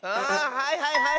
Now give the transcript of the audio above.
はいはいはいはい！